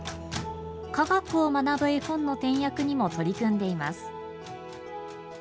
科学を学ぶ絵本の点訳にも取り組んでいます。